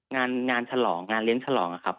งานฉลองงานเลี้ยงฉลองนะครับ